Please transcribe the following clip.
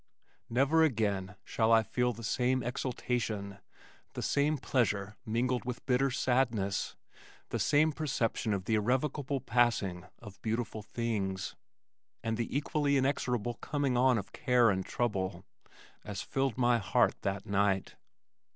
Never again shall I feel the same exultation, the same pleasure mingled with bitter sadness, the same perception of the irrevocable passing of beautiful things, and the equally inexorable coming on of care and trouble, as filled my heart that night.